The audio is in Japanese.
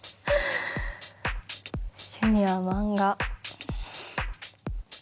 「趣味は漫画」。